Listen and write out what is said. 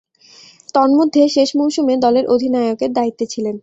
তন্মধ্যে, শেষ মৌসুমে দলের অধিনায়কের দায়িত্বে ছিলেন।